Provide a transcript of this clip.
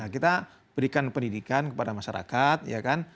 kita berikan pendidikan kepada masyarakat ya kan